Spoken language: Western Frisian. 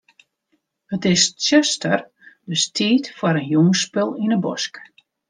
It is tsjuster, dus tiid foar in jûnsspul yn 'e bosk.